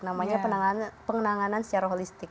namanya penanganan secara holistik